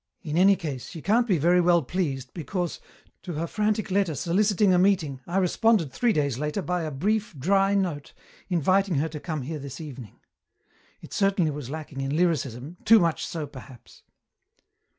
In any case, she can't be very well pleased, because, to her frantic letter soliciting a meeting, I responded three days later by a brief, dry note, inviting her to come here this evening. It certainly was lacking in lyricism, too much so, perhaps."